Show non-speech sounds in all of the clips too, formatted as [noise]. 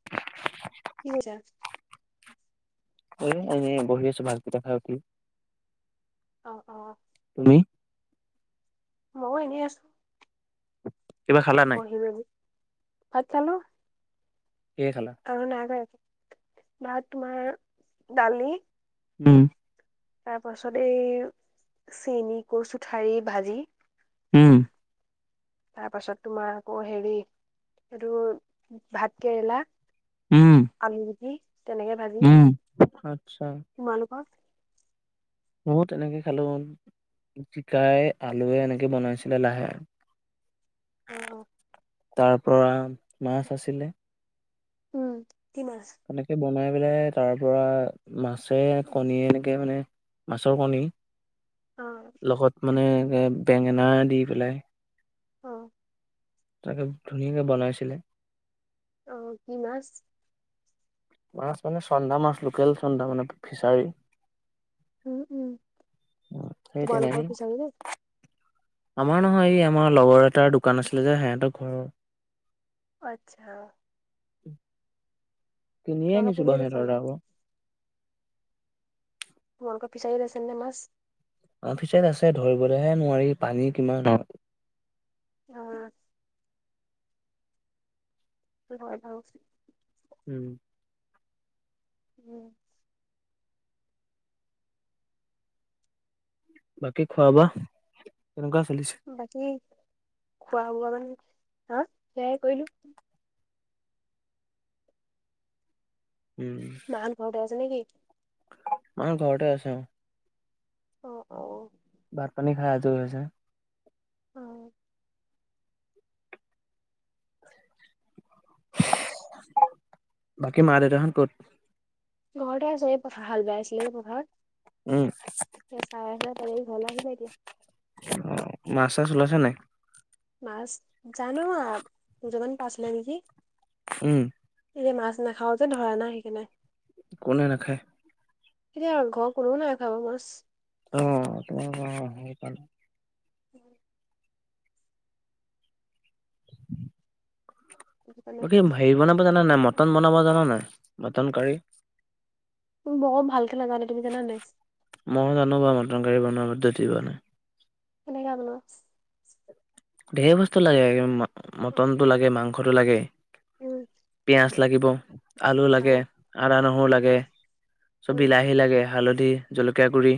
[inaudible] কি [unintelligible] এ এনেই বহি আছো, ভাত কেইটা খাই উঠি। অ', অ'। তুমি? মইয়ো এনেই আছো। কিবা খালা? নাই? [unintelligible] ভাত খালোঁ। কিহে খালা? আৰু নাই কৰা ভাত তোমাৰ দালি উম। তাৰ পাছত এই চেনি কচুঠাৰি ভাজি। উম। তাৰ পাছত তোমাৰ আকৌ হেৰি এটো ভাত কেৰেলা। উম। আলু গুটি তেনেকে ভাজি, উম। আচ্ছা তোমালোকৰ? ময়ো তেনেকে খালোঁ। চিকাই আলুৱে এনেকে বনাইছিলে লাহে অ', অ'। তাৰ পৰা মাছ আছিলে। উম কি মাছ সেনেকে বনাই পেলাই তাৰ পৰা মাছে কণীয়ে এনেকে মানে মাছৰ কণী অ লগত মানে বেঙেনা দি পেলাই অ তাকে ধুনীয়াকে বনাইছিলে। অ কি মাছ মাছ মানে চন্দা মাছ লোকেল চন্দা মানে ফিচাৰী। উম উম উম সেই তোমালোকৰ তেনেকেই ফিচাৰীত নে? আমাৰ নহয় এই আমাৰ লগৰ এটাৰ দোকান আছিলে যে সিহঁতৰ ঘৰৰ অ' আচ্ছা। কিনিয়ে তোমালোকৰ আহিছো বাও পুখুৰীত আছে সিঁহতৰ নাই তাৰ পৰা তোমালোকৰ ফিচাৰিত আছে নে মাছ অ' ফিছাৰিত আছে ধৰিবলেহে নোৱাৰি পানী কিমান দ। অ [unintelligible] উম। উম বাকী খোৱা বোৱা কেনেকুৱা চলিছে বাকী খোৱা বোৱা মানে হা সেয়াই কৰিলো। উম। মাঁহত ঘৰতে আছে নে কি মা ঘৰতে আছে অ'। অ অ ভাত পানী খাই আজৰি হৈছে। অ বাকী মা দেউতাহ'ত ক'ত ঘৰতে আছে এই পথাৰ হা'ল বাই আছিলে যে পথাৰত। উম। সেয়া চাই আছিলে তাৰপৰা ঘৰলে আহিলে এতিয়া। অ' মাছ চাছ ওলাইছে নাই মাছ জানো দুটামান পাইছিলে নেকি উম। আজি মাছ নাখাও যে ধৰা নাই সেইকাৰণে। কোনে নাখায় এতিয়া ঘৰৰ কোনো নাখাব মাছ। অ অ সেইকাৰনে। উম [unintelligible] সেইটো কাৰণে বাকী হেৰি বনাব জানা নাই মটন জানা নাই মটন কাৰী বৰ ভালকে নাজানো তুমি জানা নে নাই মই জানো বাৰু মটন কাৰী বনোৱাৰ পদ্ধতিবোৰ কেনেকে বনোৱা ঢেৰ বস্তু লাগে মটনটো লাগে মাংসটো লাগে উম পিয়াঁজ লাগিব আলু আ লাগে আদা নহৰু উম লাগে চ উম বিলাহী লাগে হালধি জলকীয়া গুড়ি,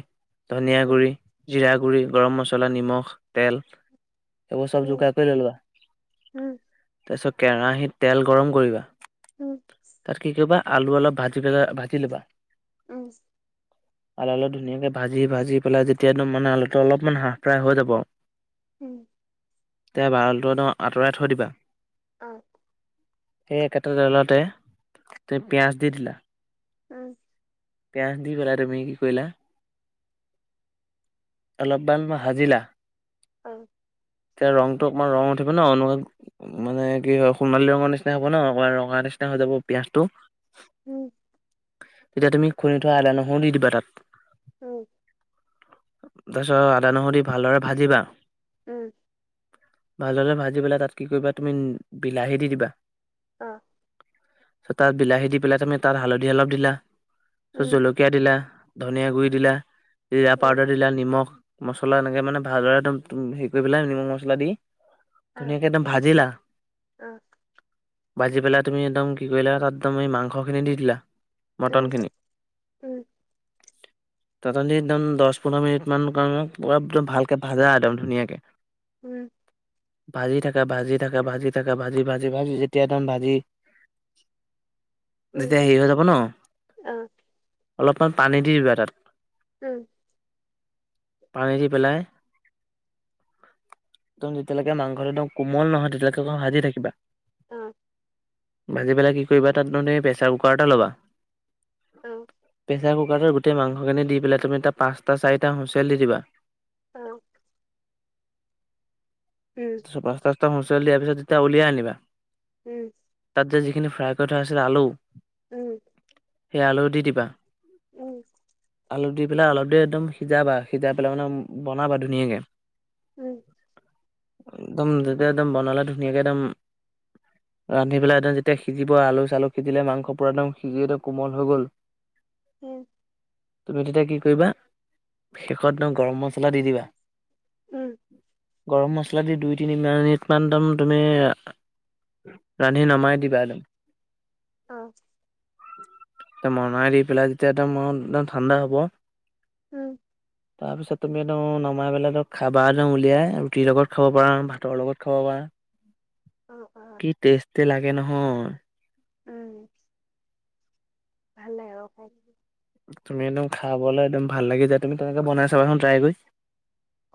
ধনিয়া গুড়ি, জিৰা গুড়ি, গৰম মছলা, নিমখ তেল সেইবোৰ চব উম জোগাৰ কৰি লবা, উম তাৰপিছত কেৰাহিত তেল গৰম কৰিবা। উম। তাত কি কৰিবা আলু অলপ ভাজি পেলা ভাজি ল'বা। উম। আলু অলপ ধুনীয়াকৈ ভাজি-ভাজি পেলাই যেতিয়া একদম মানে আলুটো অলপমান হাঁহ ফ্ৰাই হৈ যাব। উম। তেতিয়া আলুটো আঁতৰাই থৈ দিবা। অঁ। সেই একেটা তেলতে, পিঁয়াজ দি দিলা। উম। পিয়াঁজ দি পেলাই তুমি কি কৰিলা অলপমান ভাজিলা। অ'। এতিয়া ৰংটো অকণমান ৰং অনু মানে কি হয় সোণালী ৰঙৰ নিচিনা হ'ব ন, ৰঙা নিচিনা হৈ যাব পিয়াঁজটো। উম। তেতিয়া তুমি খুন্দি থোৱা আদা নহৰু দি দিবা তাত। উম। তাৰপিছত আদা নহৰু দি ভালদৰে ভাজিবা। উম। ভালদৰে ভাজি পেলাই তাত কি কৰিবা তুমি, বিলাহী দি দিবা। অঁ। ত' তাত বিলাহী দি পেলাই তুমি তাত হালধি অলপ দিলা। তাৰপিছত উম জলকীয়া দিলা, ধনিয়া গুডৰি দিলা, জীৰা ভাল লাগে দিলা, নিমখ মছলা এনেকে মানে ভাজৰে একদম হেৰি কৰি পেলাই নিমখ মছলা দি- ধুনীয়াকে একদম ভাজিলা। ভাজি পেলাই তুমি একদম কি কৰিলা তাত তুমি এই মাংসখিনি দি দিলা। মটন খিনি, [unintelligible] পোন্ধৰ মিনিট মান একদম ভালকে ভাজা একদম ধুনীয়াকে। উম। ভাজি থাকে, ভাজি থাকে, ভাজি থাকে, ভাজি- ভাজি ভাজি যেতিয়া একদম ভাজি তেতিয়া হেৰি হৈ যাব ন, অলপমান পানী দি দিবা তাত। উম। পানী দি পেলাই একদম যেতিয়ালৈকে মাংসটো একদম কোমল নহয় তেতিয়ালৈকে ভাজি থাকিবা। অহ'। ভাজি পেলাই কি কৰিবা তাত মানে প্ৰেছাৰ কুকাৰ এটা ল'বা। অ'। প্ৰেছাৰ কুকাৰটোৰ গোটেই মাংসখিনি দি পেলাই তুমি তাত পাঁচটা চাৰিটা হুঁচিয়েল দি দিবা। অঁহ। উম। পাঁচ ছটা দিয়া পিছত যেতিয়া উলিয়াই আনিবা। উম। তাত যে ফ্ৰাই কৰি থোৱা আছিল আলু। উম। সেয়া আলু দি দিবা। উম। আলু দি পেলাই আলপ দেৰি একদম সিজাবা, সিজাই পেলাই মানে বনাবা ধুনীয়াকে। উম। একদম দুতিয়া একদম বনালে ধুনীয়াকে একদম ৰান্ধি পেলাই একদম যেতিয়া সিজিব আলু চালু সিজিলে মাংস পুৰা একদম সিজিলৈ কোমল হৈ গ'ল। [unintelligible] এই তুমি তেতিয়া কি কৰিবা? শেষত একদম গৰম মছলা দি দিবা। উম। গৰম মছলা দি দুই তিনি মিনিটমান একদম তুমি ৰান্ধি নামাই দিবা একদম। অ'। নমাই দি পেলাই যেতিয়া একদম আও একদম ঠাণ্ডা হ'ব। উম। তাৰপিছত তুমি একদম নমাই পেলাই একদম খাবা একদম উলিয়াই। ৰুটিৰ লগত খাব পাৰা, ভাতৰ লগত খাব পাৰা। [unintelligible] কি টেষ্টে লাগে নহয়। উম। ভাল লাগে [unintelligible] তুমি একদম খাবলে একদম ভাল লাগি যায় তুমি তেনেকে বনাই চাবাচোন ট্ৰাই কৰি।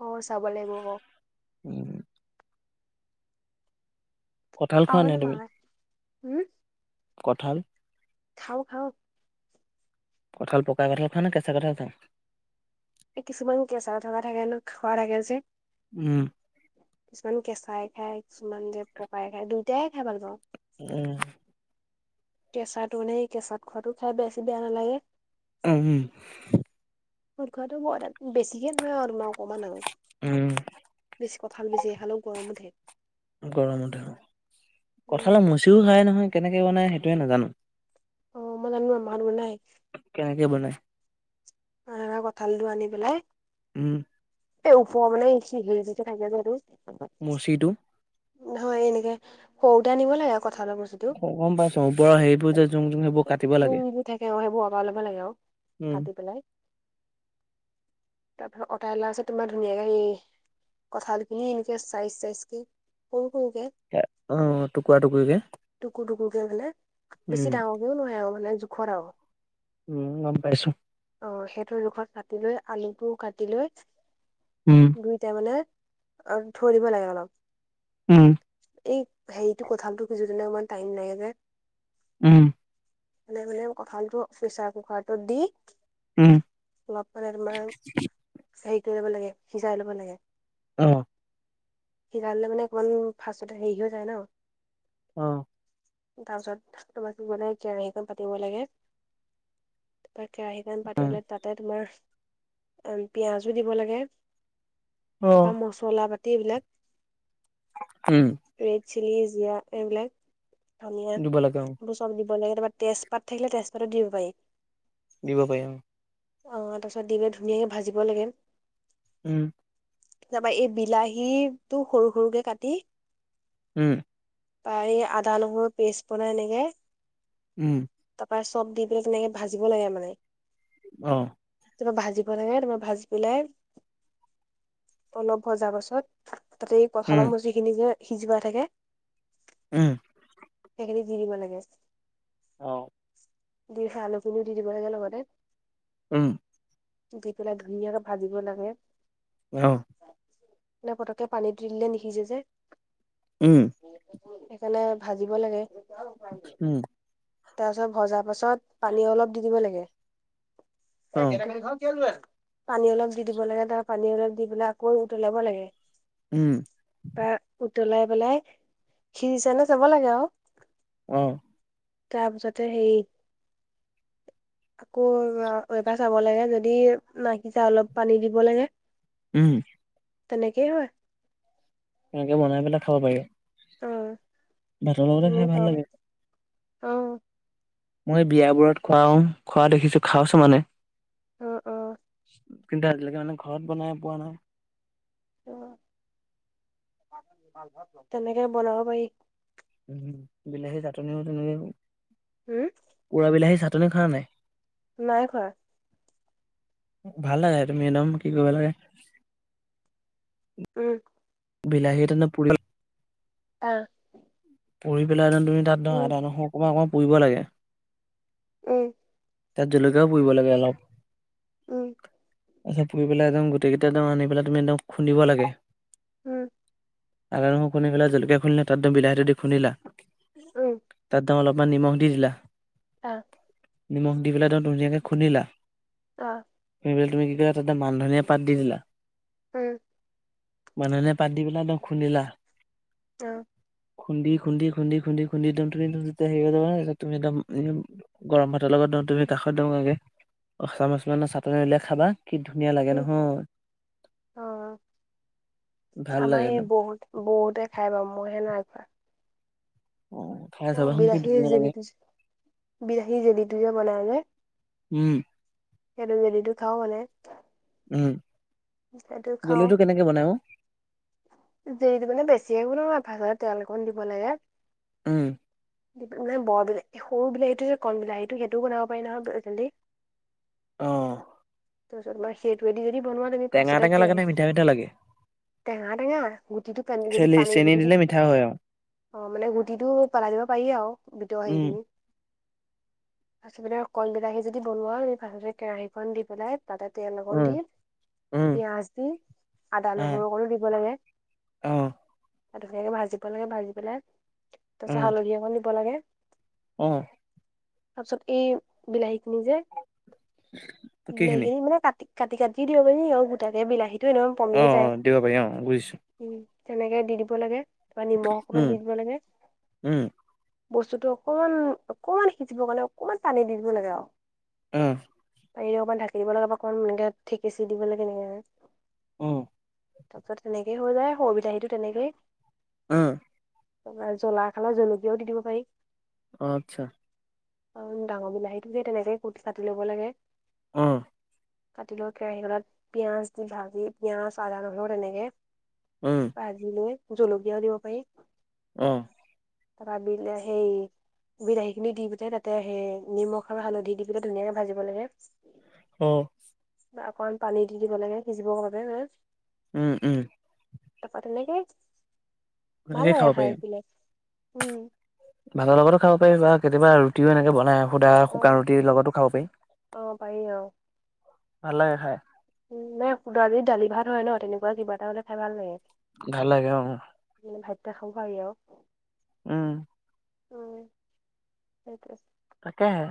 অ', চাব লাগিব বাৰু। উম। কঠাল খাওঁ খোৱা মানে নাই তুমি? মায়ে উম কঠাল। খাওঁ, খাওঁ। কঁঠাল পকা কঠাল খোৱা নে কেঁচা কঠাল খোৱা? এই কিছুমান কেঁচা থকা থাকে ন খোৱা থাকে যে। উম কিছুমান কেঁচাই খাই, কিছুমান যে পকাই খায় দুয়টাইে খাই ভাল পাওঁ। উম। কেঁচাটো মানে সেই কেঁচাত খোৱাটো খাই বেছি বেয়া নালাগে। উম, উম। সট খোৱাটো বৰ এটা বেছিকে নহয় আৰু তোমাৰ অকণমান আৰু। উম বেছ কঠাল বেছিকে খালেও গৰম উঠে। উম। চিও খাই নহয় কেনেকে বনাই সেইটোৱে নাজানোঁ। অ', মই জানোঁ, আমাৰ ঘৰত বনাই। কেনেকে বনাই? ৰা কঠালটো আনি পেলাই, উম এই ওপৰ মানে হেৰী তোযে থাকে যেই এইটো মুচিটো নহয় এনেকে সৰুতে আনিব লাগে কঠালৰ মুচি। গম পাইছো ওপৰৰ হেৰিবোৰ যে জোং জোং সেইবোৰ কাটিব লাগে জুংবোৰ থাকে অ', সেইবোৰ আতৰাই লব লাগে আৰু। কাটি পেলাই। তাৰপিছত অতাই লোৱা পিছত তোমাৰ ধুনীয়াকে এই- কঁঠাল খিনি এনেকে চাইচ চাইচ কে সৰু, সৰুকে অ টুকুৰা টুকুৰিকে টুকুৰ টুকুৰকে মানে, উম বেছি ডাঙৰ নহয়ে আৰু মানে জোখৰ আৰু। উমঁ, গম পাইছো। অঁ', সেইটোৰ জোখত কাটি লৈ আলুটো কাটি লৈ উম। দুইটাই মানে অঁ' থৈ দিব লাগে অলপ। উমঁ। এই হেৰিটো কঠাল টো কিছুদিনে ইমান টাইম লাগে যে। উম। মানে-মানে কঁঠালটো প্ৰেচাৰ কুকাৰটোত দি- উম অলপ মানে তোমাৰ হেৰি কৰি ল'ব লাগে সিজাই ল'ব লাগে। উম। সিজালে মানে অকণমান ফাষ্টত'তে হেৰি হৈ যায় ন। অঁ'। তাৰপিছত তোমাক কি ক'লে কেৰাহীখন পাতিব লাগে। তাৰপৰা কেৰাহীখনণ পাতি ল'লে তা'তে তোমাৰ পিঁয়াজো দিব লাগে। অ তাৰাপা মচলা পাতি এইবিলাক। উম। ৰেড চিল, জীয়া এইবিলাক ধুনীয়া দিব লাগে অ বস্তু। চব দিব লাগে তাৰপা তেজপাত থাকিলে তেজপাতো দিব পাৰি। দিব পাৰিম। অঁ', তাৰপিছত দি পেলাই ধুনীয়াকৈ ভাজিব লাগে। উম। তাৰাপা এই বিলাহীতো সৰু-সৰুকে কাটি- উম। পাৰি আদা, নহৰু পেচ বনায় এনেকে। উম। তাৰপা চব দি পেলাই তেনেকে ভাজিব লাগে মানে। অঁ'। তাৰপা ভাজিব লাগে তোমাৰ ভাজি পেলাই অলপ ভজাৰ পাছত- তা'তে এই উম কঁঠালৰ মুচি খিনি যে সিজিৱা থাকে উম। সেইখিনি দি দিব লাগে। অ'। দি আলু খিনিও দি দিব লাগে লগতে। উমঁ। দি পেলাই ধুনীয়াকে ভাজিব লাগে। অঁহ'। তেনেকে পতকে পানীত দিলে নিসিজে যে। উমঁ। সেইকাৰণে ভাজিব লাগে। উম তাৰপাছত ভজাৰ পাছত পানী অলপ দি দিব লাগে। অ [unintelligible] পানী অলপ দি দিব লাগে তাৰপা পানী অলপ দি পেলাই আকৌ উতলাব লাগে। উমঁ। তাৰপা উতলাই পেলাই সিজিচে নাই চাব লাগে আৰু। অ'। তাৰপিছতে হেৰি [inaudible] আকৌ এবাৰ চাব লাগে যদি নাই সিজা অলপ পানী দিব লাগে। উম। তেনেকেই হয়। তেনেকে বনাই পেলাই খাব পাৰি। অ'। ভাতৰ লগতে তেনেকে খাই ভাল খাব পাৰি লাগে। অ মই বিয়াবোৰত খোৱা উম খোৱা দেখিছো খাইচো মানে। অ', অ'। কিন্তু আজিলৈকে মানে ঘৰত বনাই পোৱা নাই। অ', তেনেকৈ বনাব পাৰি। উম বিলাহী [unintelligible] হম? পুৰা বিলাহী চাটনি খাৱ নাই? নাই খোৱা। ভাল লাগে তুমি একদম কি কৰিব লাগে উম। বিলাহী এটা পুৰি অ'। পুৰি পেলাই তুমি তাত ধৰা উম আদা নহৰু অকণমান পুৰিব লাগে। উম। তাত জলকীয়াও পুৰিব লাগে অলপ। উম। আচ্ছা পুৰি পেলাই গোটেইকেইটা আনি পেলাই তুমি খুন্দিব লাগে। উম। আদা নহৰু খুন্দি পেলাই জলকীয়া খুন্দিলে তাত বিলাহীটো দি খুন্দিলা। উম তাতে অলপ নিমখ দি দিলা। অ'। নিমখ দি পেলাই একদম ধুনীয়াকৈ খুন্দিলা। অ'। খুন্দি পেলাই তুমি কি কৰিলা তাত মান ধনীয়া পাত দি দিলা। উম। মান ধনীয়া পাত দি পেলাই একদম খুন্দিলা। অ'। খুন্দি খুন্দি খুন্দি খুন্দি খুন্দি তুমি যেতিয়া হেৰি হ'ব নহয় তুমি একদম গৰম ভাত তৰ লগত তুমি কাষত [unintelligible] চাটনি লৈ খাবা। কি ধুনীয়া লাগে উম নহয় অ ভাল আমাৰ লাগে এই একদম। বহুত বহুতে খাই বাৰু মই হে নাই খোৱা। উম। অ', বিলাহী জেলীটো যে বিলাহী জেলীটো যে বনাই যে। উম। সেইটো জেলীটো খাওঁ মানে। উম, সেইটো খাও জেলীটো কেনেকে বনাই অ'? জেলীটো মানে বেছি একো নাভাজে তেল অকণ দিব লাগে। উম মানে বৰ বিলাহী সৰু বিলাহীটো যে কন বিলাহীটো সেইটোও বনাব পাৰি নহয় জেলী অহ তাৰপিছত সেইটোৱেদি যদি বনোৱা তুমি ফাৰ্ষ্ট তে কেৰাহী নেলাগে টেঙা টেঙা গুটিটো পানী যদি চেনি পানী চেনি গুটিটো দিলে মিঠা হয় আৰু অ মানে গুটিটো পেলাই দিব পাৰি আৰু ভিতৰৰ হেৰি উম খিনি ফাৰ্ষ্টতে কন বিলাহী যদি বনোৱা ফাৰ্ষ্টতে কেৰাহীখন দি পেলাই তাতে তেল অকণ উম দি উম পিয়াজ দি আদা আহ নহৰু অকণ দি দিব লাগে অ সেইটো ধুনীয়াকে ভাজিব লাগে ভাজি পেলাই তাৰপিছত উম হালধি অকণ দিব লাগে। অ তাৰপিছত এই বিলাহী খিনি যে বিলাহী সেইখিনি খিনি মানে কাটি কাটি কাটি দিব পাৰি আৰু গোটাকে বিলাহীটো এনেও অ পমিয়ে অ যায়। দিব পাৰি অ বুজিছো উম তেনেকে দি দিব লাগে বা নিমখ অকমান উম দি দিব লাগে উম বস্তুটো অকমান অকমান সিজিবৰ কাৰণে অকমান পানী দি দিব লাগে আৰু উম পাৰিলে অকণ ঢাকি দিব লাগে বা অকণ এনেকে থেকিচি দিব লাগে এনেকে উম তাৰপিছত তেনেকে হৈ যায় সৰু বিলাহীটো তেনেকেই উম তোমাৰ জলা খালে জলকীয়াও দি দিব পাৰি অ আচ্ছা। অ, ডাঙৰ বিলাহীতো যে তেনেকে কুটি কাটি ল'ব লাগে। উম। কাটি লোৱা কেৰাহীখনত, পিঁয়াজ দি ভাজি পিঁয়াজ আদা নহৰু তেনেকে। উম। ভাজি লৈ জলকীয়াও দিব পাৰি। অ! তাৰপা বিলাহী বিলাহী খিনি দি পেলাই তাতে সেই নিমখ আৰু হালধি দি পেলাই ধুনীয়াকে ভাজিব লাগে। অ। বা অকমান পানী দি দিব লাগে, সিজিবৰ বাবে হ। উম, উম। তাৰপা তেনেকে, এনেকে ভাল লাগে খাব পাৰি। খাই পেলাই। উম ভাতৰ লগতো খাব পাৰি বা কেতিয়াবা ৰুটিও এনেকে বনাই আ সুদা অ শুকান ৰুটিৰ লগতো খাব পাৰি। অ পাৰি অ ভাল লাগে খাই। উ, নাই দালি দালি ভাত হয় ন তেনেকুৱা কিবা এটা হ'লে খাই ভাল লাগে। ভাল লাগে, অ উ। মানে ভাতকেইটা খাব পাৰি আৰু। উম। উম সেইটোয়ে তাকেহে।